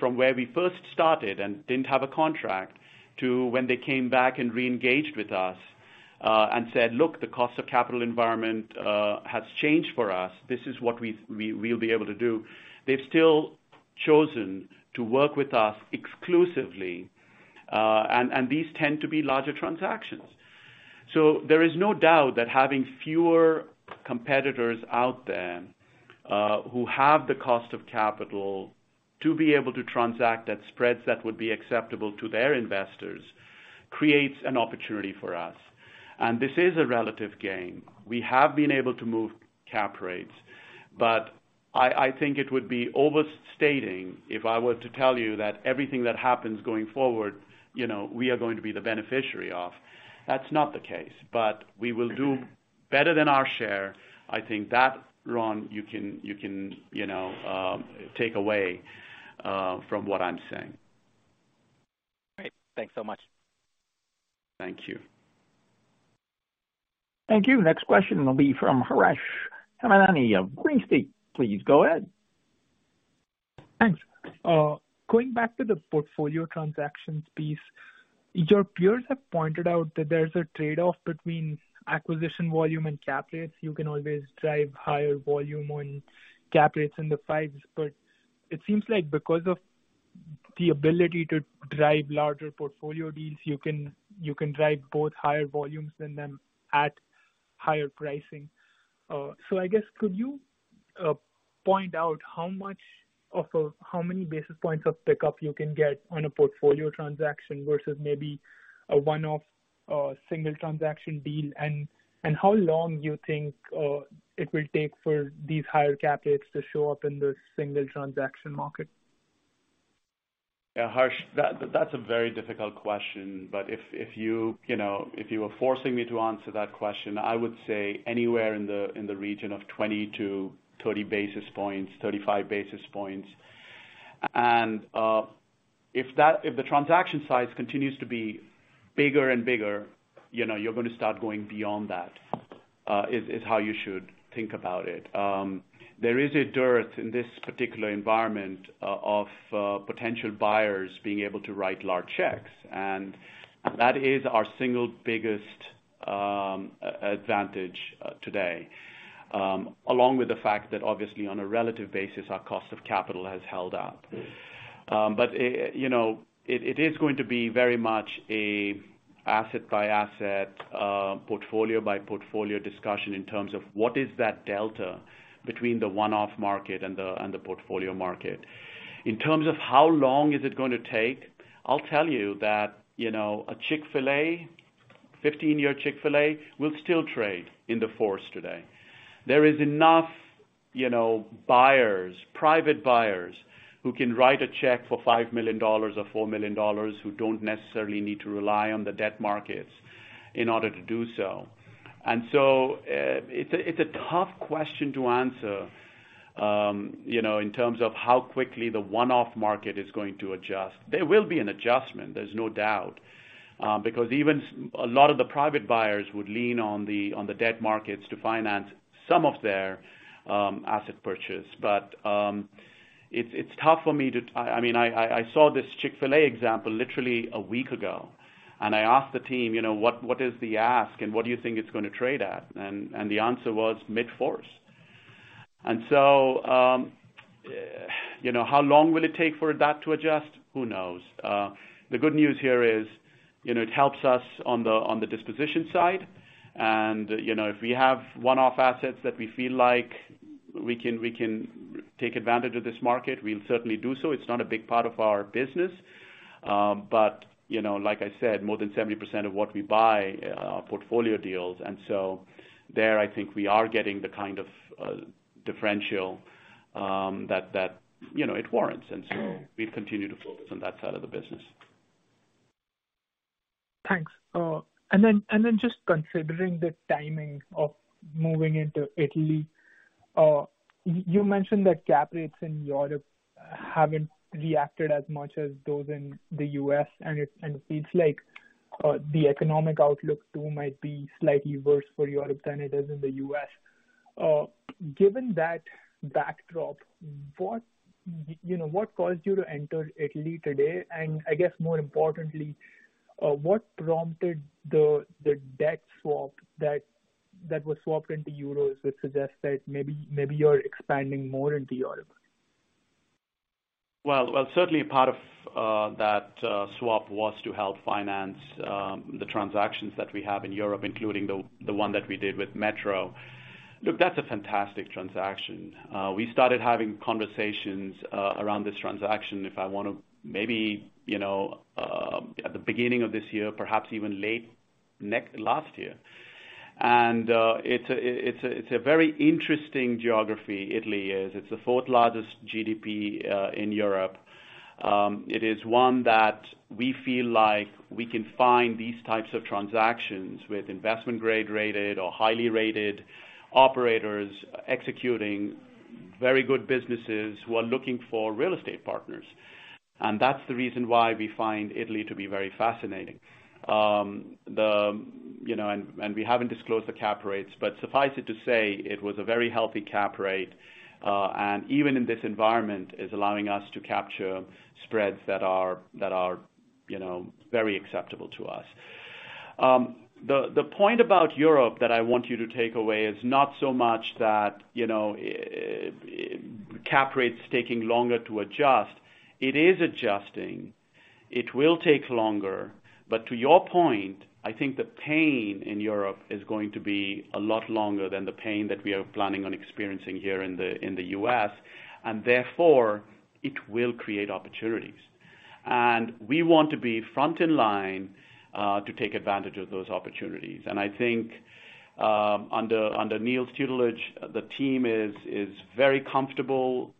from where we first started and didn't have a contract to when they came back and re-engaged with us, and said, "Look, the cost of capital environment has changed for us. This is what we'll be able to do." They've still chosen to work with us exclusively. These tend to be larger transactions. There is no doubt that having fewer competitors out there who have the cost of capital to be able to transact at spreads that would be acceptable to their investors creates an opportunity for us. This is a relative gain. We have been able to move cap rates. I think it would be overstating if I were to tell you that everything that happens going forward, you know, we are going to be the beneficiary of. That's not the case, but we will do better than our share. I think that, Ron, you can, you know, take away from what I'm saying. Great. Thanks so much. Thank you. Thank you. Next question will be from Haendel St. Juste of Green Street. Please go ahead. Thanks. Going back to the portfolio transactions piece, your peers have pointed out that there's a trade-off between acquisition volume and cap rates. You can always drive higher volume on cap rates in the fives, but it seems like because of the ability to drive larger portfolio deals, you can drive both higher volumes and then at higher pricing. I guess could you point out how many basis points of pickup you can get on a portfolio transaction versus maybe a one-off single transaction deal, and how long you think it will take for these higher cap rates to show up in the single transaction market? Yeah, Haendel, that's a very difficult question. If you know, if you were forcing me to answer that question, I would say anywhere in the region of 20 basis points-30 basis points, 35 basis points. If the transaction size continues to be bigger and bigger, you know, you're gonna start going beyond that is how you should think about it. There is a dearth in this particular environment of potential buyers being able to write large checks. That is our single biggest advantage today. Along with the fact that obviously on a relative basis, our cost of capital has held up. It is going to be very much an asset by asset, portfolio by portfolio discussion in terms of what is that delta between the one-off market and the portfolio market. In terms of how long is it gonna take, I'll tell you that, you know, a Chick-fil-A, 15-year Chick-fil-A will still trade in the fours today. There is enough, you know, buyers, private buyers, who can write a check for $5 million or $4 million who don't necessarily need to rely on the debt markets in order to do so. It's a tough question to answer, you know, in terms of how quickly the one-off market is going to adjust. There will be an adjustment, there's no doubt, because even a lot of the private buyers would lean on the debt markets to finance some of their asset purchase. It's tough for me. I mean, I saw this Chick-fil-A example literally a week ago, and I asked the team, you know, "What is the ask and what do you think it's gonna trade at?" The answer was mid-fours. You know, how long will it take for that to adjust? Who knows? The good news here is, you know, it helps us on the disposition side. You know, if we have one-off assets that we feel like we can take advantage of this market, we'll certainly do so. It's not a big part of our business. You know, like I said, more than 70% of what we buy are portfolio deals. There I think we are getting the kind of differential that you know it warrants. We continue to focus on that side of the business. Thanks. Then, just considering the timing of moving into Italy, you mentioned that cap rates in Europe haven't reacted as much as those in the U.S., and it seems like the economic outlook too might be slightly worse for Europe than it is in the U.S. Given that backdrop, what, you know, what caused you to enter Italy today? I guess more importantly, what prompted the debt swap that was swapped into euros, which suggests that maybe you're expanding more into Europe? Well, certainly part of that swap was to help finance the transactions that we have in Europe, including the one that we did with METRO. Look, that's a fantastic transaction. We started having conversations around this transaction maybe, you know, at the beginning of this year, perhaps even late last year. It's a very interesting geography, Italy is. It's the fourth largest GDP in Europe. It is one that we feel like we can find these types of transactions with investment grade-rated or highly rated operators executing very good businesses who are looking for real estate partners. That's the reason why we find Italy to be very fascinating. You know, and we haven't disclosed the cap rates, but suffice it to say it was a very healthy cap rate, and even in this environment is allowing us to capture spreads that are, you know, very acceptable to us. The point about Europe that I want you to take away is not so much that, you know, cap rates taking longer to adjust. It is adjusting. It will take longer. But to your point, I think the pain in Europe is going to be a lot longer than the pain that we are planning on experiencing here in the U.S., and therefore it will create opportunities. We want to be first in line to take advantage of those opportunities. I think under Neil's tutelage, the team is very comfortable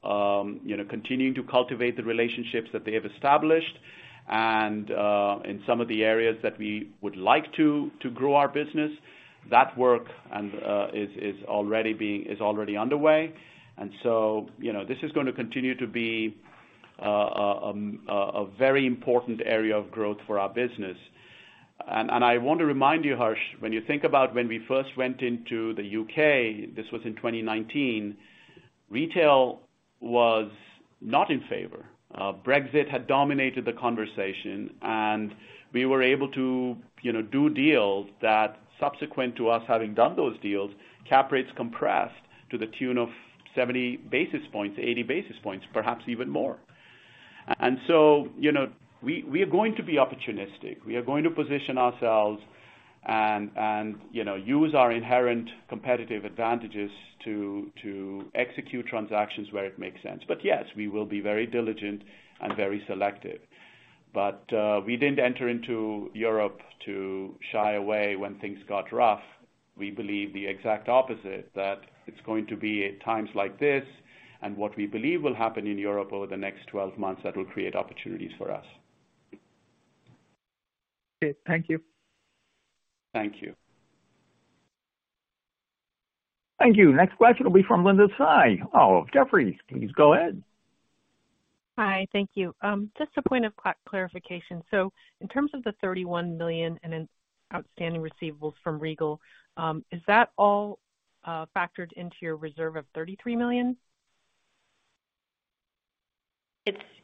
you know continuing to cultivate the relationships that they have established. In some of the areas that we would like to grow our business, that work and is already underway. You know, this is gonna continue to be a very important area of growth for our business. I want to remind you, Harsh, when you think about when we first went into the UK, this was in 2019, retail was not in favor. Brexit had dominated the conversation, and we were able to you know do deals that subsequent to us having done those deals, cap rates compressed to the tune of 70 basis points, 80 basis points, perhaps even more. You know, we are going to be opportunistic. We are going to position ourselves and, you know, use our inherent competitive advantages to execute transactions where it makes sense. Yes, we will be very diligent and very selective. We didn't enter into Europe to shy away when things got rough. We believe the exact opposite, that it's going to be at times like this and what we believe will happen in Europe over the next 12 months that will create opportunities for us. Okay. Thank you. Thank you. Thank you. Next question will be from Linda Tsai of Jefferies. Please go ahead. Hi. Thank you. Just a point of clarification. In terms of the $31 million in outstanding receivables from Regal, is that all factored into your reserve of $33 million?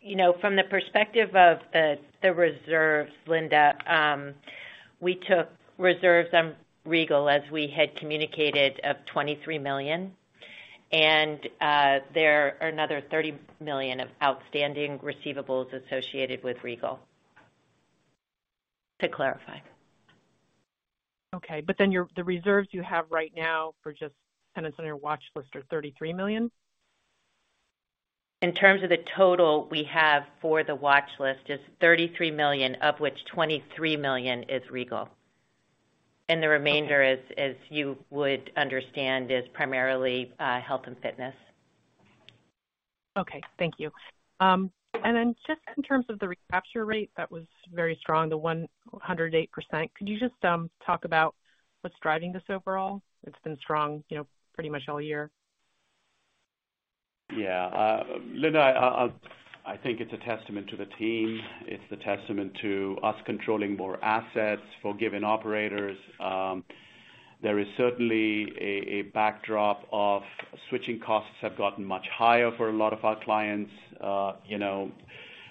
You know, from the perspective of the reserves, Linda, we took reserves on Regal as we had communicated of $23 million, and there are another $30 million of outstanding receivables associated with Regal. To clarify. The reserves you have right now for just tenants on your watch list are $33 million? In terms of the total we have for the watch list is $33 million, of which $23 million is Regal. The remainder is you would understand is primarily health and fitness. Okay. Thank you. Just in terms of the recapture rate, that was very strong, the 108%. Could you just talk about what's driving this overall? It's been strong, you know, pretty much all year. Yeah. Linda, I think it's a testament to the team. It's a testament to us controlling more assets for given operators. There is certainly a backdrop of switching costs have gotten much higher for a lot of our clients. You know,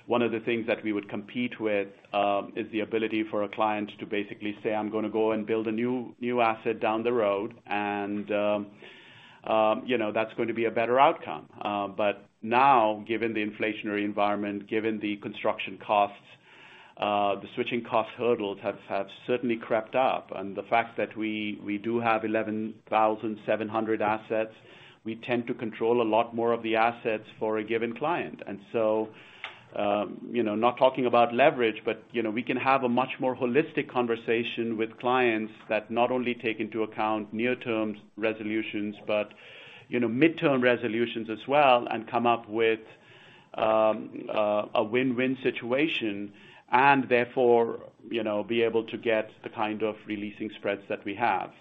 one of the things that we would compete with is the ability for a client to basically say, "I'm gonna go and build a new asset down the road, and you know, that's going to be a better outcome." But now, given the inflationary environment, given the construction costs, the switching cost hurdles have certainly crept up. The fact that we do have 11,700 assets, we tend to control a lot more of the assets for a given client. You know, not talking about leverage, but you know, we can have a much more holistic conversation with clients that not only take into account near-term resolutions, but you know, midterm resolutions as well and come up with a win-win situation and therefore, you know, be able to get the kind of releasing spreads that we have.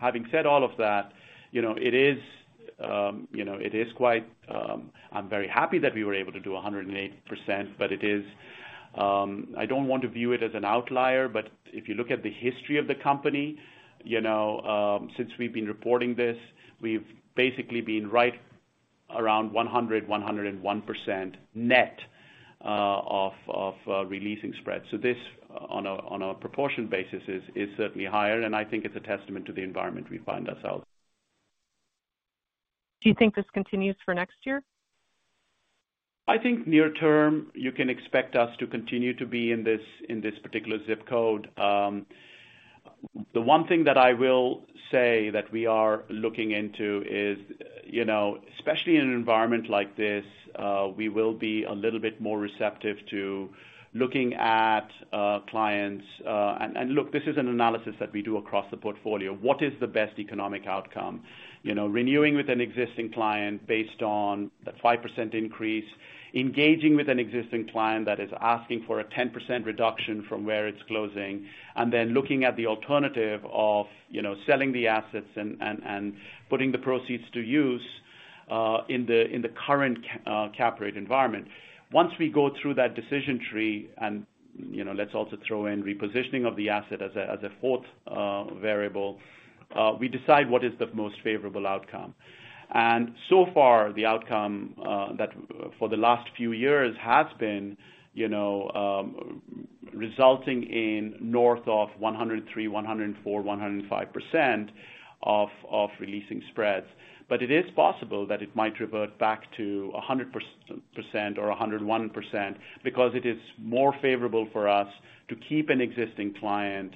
Having said all of that, you know, it is you know, it is quite. I'm very happy that we were able to do 108%, but it is, I don't want to view it as an outlier, but if you look at the history of the company, you know, since we've been reporting this, we've basically been right around 100%, 101% net of releasing spreads. This, on a proportion basis, is certainly higher, and I think it's a testament to the environment we find ourselves. Do you think this continues for next year? I think near term, you can expect us to continue to be in this particular zip code. The one thing that I will say that we are looking into is, you know, especially in an environment like this, we will be a little bit more receptive to looking at clients. Look, this is an analysis that we do across the portfolio. What is the best economic outcome? You know, renewing with an existing client based on the 5% increase, engaging with an existing client that is asking for a 10% reduction from where it's closing, and then looking at the alternative of, you know, selling the assets and putting the proceeds to use in the current cap rate environment. Once we go through that decision tree and, you know, let's also throw in repositioning of the asset as a fourth variable, we decide what is the most favorable outcome. So far, the outcome that for the last few years has been, you know, resulting in north of 103%, 104%, 105% of releasing spreads. It is possible that it might revert back to 100% or 101%, because it is more favorable for us to keep an existing client,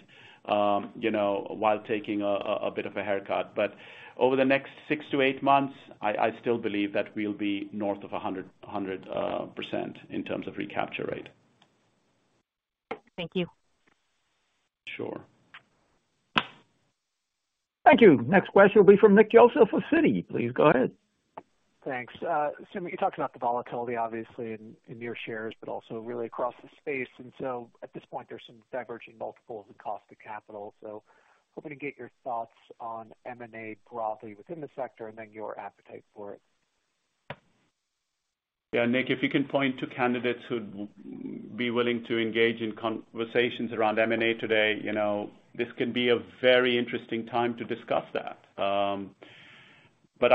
you know, while taking a bit of a haircut. Over the next six to eight months, I still believe that we'll be north of 100% in terms of recapture rate. Thank you. Sure. Thank you. Next question will be from Nick Joseph of Citi. Please go ahead. Thanks. Sumit, you talked about the volatility obviously in your shares, but also really across the space. At this point, there's some diverging multiples in cost of capital. Hoping to get your thoughts on M&A broadly within the sector and then your appetite for it. Yeah, Nick, if you can point to candidates who'd be willing to engage in conversations around M&A today, you know, this could be a very interesting time to discuss that.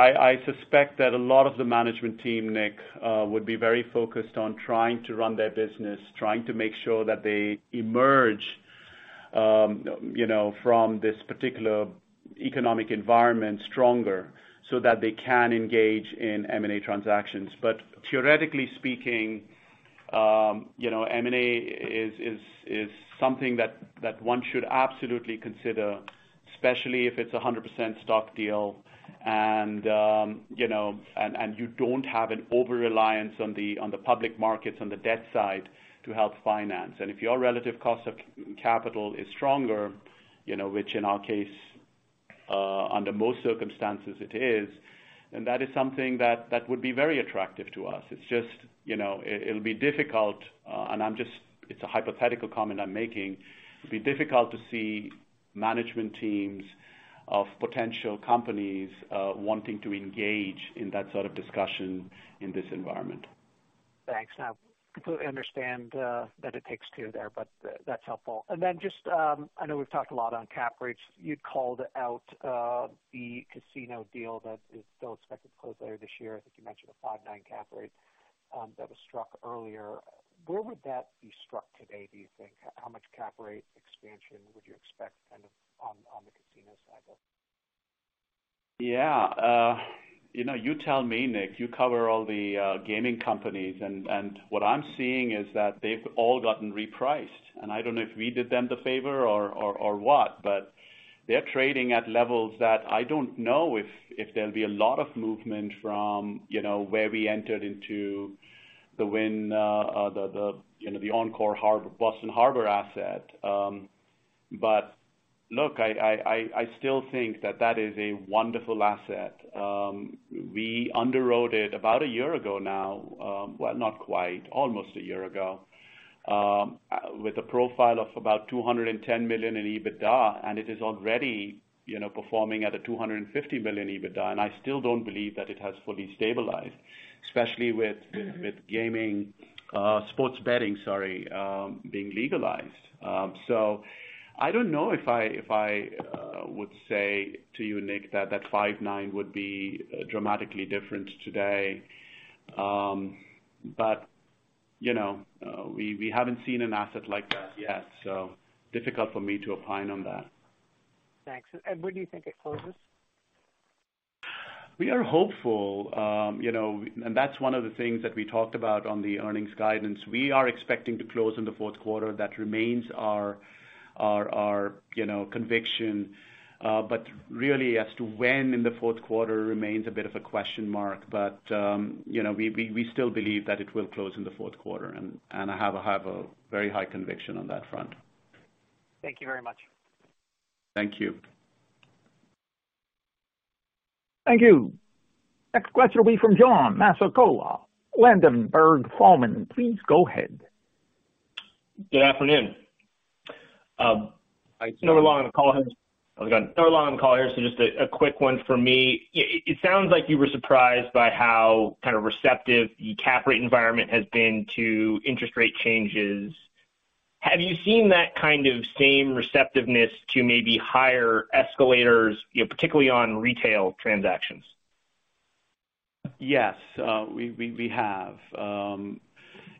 I suspect that a lot of the management team, Nick, would be very focused on trying to run their business, trying to make sure that they emerge, you know, from this particular economic environment stronger so that they can engage in M&A transactions. Theoretically speaking, you know, M&A is something that one should absolutely consider, especially if it's 100% stock deal and, you know, you don't have an over-reliance on the public markets, on the debt side to help finance. If your relative cost of capital is stronger, you know, which in our case, under most circumstances it is, then that is something that would be very attractive to us. It's just, you know, it'll be difficult, and I'm just, it's a hypothetical comment I'm making. It'd be difficult to see management teams of potential companies wanting to engage in that sort of discussion in this environment. Thanks. I completely understand that it takes two there, but that's helpful. Then just, I know we've talked a lot on cap rates. You'd called out the casino deal that is still expected to close later this year. I think you mentioned a 5.9% cap rate that was struck earlier. Where would that be struck today, do you think? How much cap rate expansion would you expect kind of on the casino cycle? Yeah. You know, you tell me, Nick. You cover all the gaming companies. What I'm seeing is that they've all gotten repriced. I don't know if we did them the favor or what, but they're trading at levels that I don't know if there'll be a lot of movement from, you know, where we entered into the Encore Boston Harbor asset. But look, I still think that that is a wonderful asset. We underwrote it about a year ago now, well, not quite, almost a year ago, with a profile of about $210 million in EBITDA, and it is already, you know, performing at a $250 million EBITDA. I still don't believe that it has fully stabilized, especially with. Mm-hmm. With gaming, sports betting, sorry, being legalized. I don't know if I would say to you, Nick, that 5.9% would be dramatically different today. You know, we haven't seen an asset like that yet, so difficult for me to opine on that. Thanks. When do you think it closes? We are hopeful, you know. That's one of the things that we talked about on the earnings guidance. We are expecting to close in the fourth quarter. That remains our, you know, conviction. Really, as to when in the fourth quarter remains a bit of a question mark. You know, we still believe that it will close in the fourth quarter, and I have a very high conviction on that front. Thank you very much. Thank you. Thank you. Next question will be from John Massocca, Ladenburg Thalmann. Please go ahead. Good afternoon. Hi, John. I know we're long on the call here, so just a quick one for me. It sounds like you were surprised by how kind of receptive the cap rate environment has been to interest rate changes. Have you seen that kind of same receptiveness to maybe higher escalators, you know, particularly on retail transactions? Yes, we have.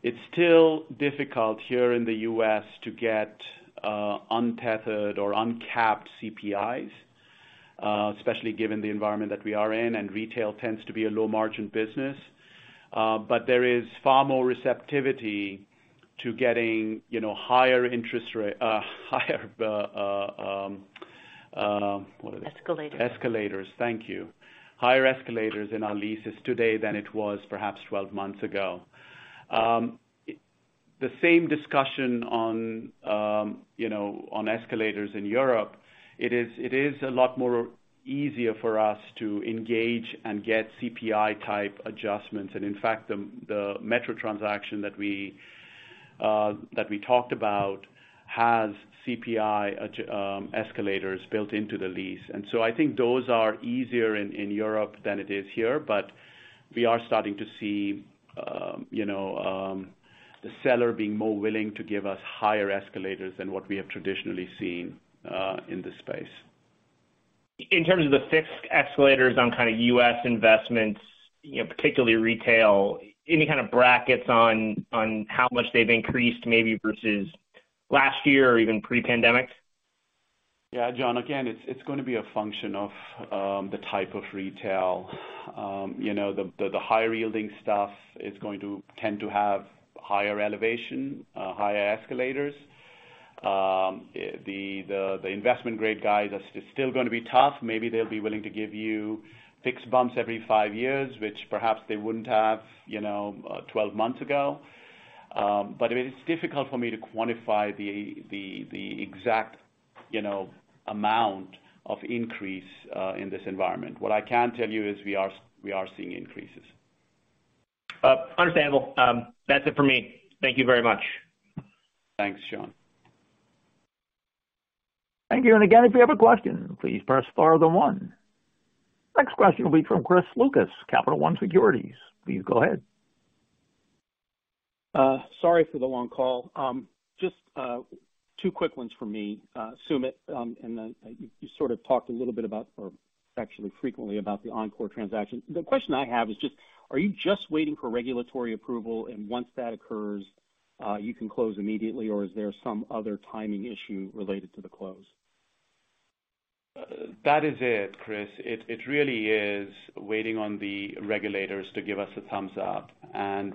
It's still difficult here in the U.S. to get untethered or uncapped CPIs. Especially given the environment that we are in, and retail tends to be a low-margin business. There is far more receptivity to getting, you know, higher interest, what are they? Escalators. Escalators. Thank you. Higher escalators in our leases today than it was perhaps 12 months ago. The same discussion on, you know, on escalators in Europe, it is a lot more easier for us to engage and get CPI type adjustments. In fact, the METRO AG transaction that we talked about has CPI escalators built into the lease. I think those are easier in Europe than it is here. We are starting to see, you know, the seller being more willing to give us higher escalators than what we have traditionally seen in this space. In terms of the fixed escalators on kind of U.S. investments, you know, particularly retail, any kind of brackets on how much they've increased maybe versus last year or even pre-pandemic? Yeah, John, again, it's gonna be a function of the type of retail. You know, the higher yielding stuff is going to tend to have higher escalations, higher escalators. The investment grade guys is still gonna be tough. Maybe they'll be willing to give you fixed bumps every five years, which perhaps they wouldn't have, you know, 12 months ago. It's difficult for me to quantify the exact, you know, amount of increase in this environment. What I can tell you is we are seeing increases. Understandable. That's it for me. Thank you very much. Thanks, John. Thank you. Again, if you have a question, please press star then one. Next question will be from Chris Lucas, Capital One Securities. Please go ahead. Sorry for the long call. Just two quick ones for me. Sumit, and then you sort of talked a little bit about or actually frequently about the Encore transaction. The question I have is just, are you just waiting for regulatory approval and once that occurs, you can close immediately? Or is there some other timing issue related to the close? That is it, Chris. It really is waiting on the regulators to give us a thumbs up.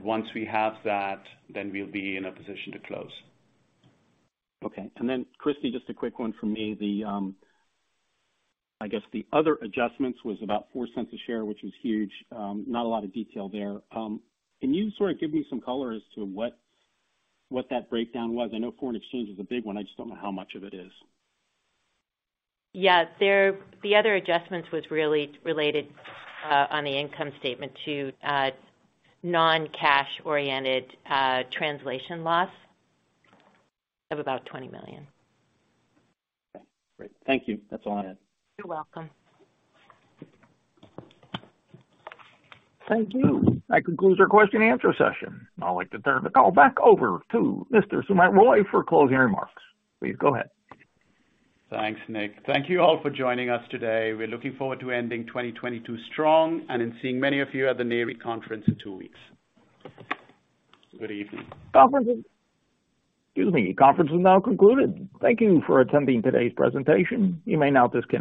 Once we have that, then we'll be in a position to close. Okay. Kristie, just a quick one from me. I guess the other adjustments was about $0.04 a share, which was huge. Not a lot of detail there. Can you sort of give me some color as to what that breakdown was? I know foreign exchange is a big one. I just don't know how much of it is. Yeah. The other adjustments was really related on the income statement to non-cash oriented translation loss of about $20 million. Okay, great. Thank you. That's all I had. You're welcome. Thank you. That concludes our question and answer session. I'd like to turn the call back over to Mr. Sumit Roy for closing remarks. Please go ahead. Thanks, Nick. Thank you all for joining us today. We're looking forward to ending 2022 strong and to seeing many of you at the Nareit Conference in two weeks. Good evening. Excuse me. Conference is now concluded. Thank you for attending today's presentation. You may now disconnect.